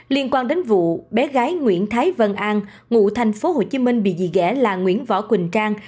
liên quan đến vụ bé gái nguyễn thái vân an ngụ thành phố hồ chí minh bị dì ghẻ là nguyễn võ quỳnh trang